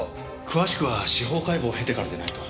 詳しくは司法解剖を経てからでないと。